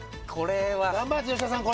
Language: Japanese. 頑張って吉田さん。